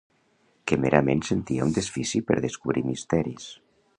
Que merament sentia un desfici per descobrir misteris.